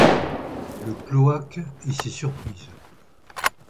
Le cloaque et ses surprises